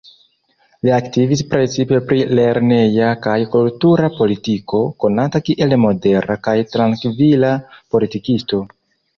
Li aktivis precipe pri lerneja kaj kultura politiko, konata kiel modera kaj trankvila politikisto.